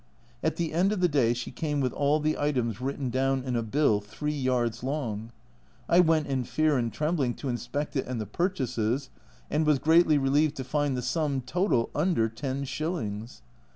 At the end of the day she came with all the items written down in a bill 3 yards long. I went in fear and trembling to inspect it and the purchases, and was greatly relieved to find the sum total under ten shillings.